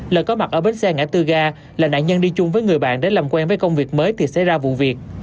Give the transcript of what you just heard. lợi có mặt ở bến xe ngã tư ga là nạn nhân đi chung với người bạn để làm quen với công việc mới thì xảy ra vụ việc